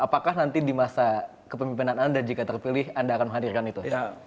apakah nanti di masa kepemimpinan anda jika terpilih anda akan menghadirkan itu